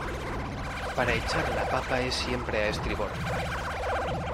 para echar la papa es siempre a estribor,